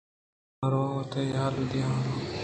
من روان ءُ تئی ھال ءِ دے آن ئِے۔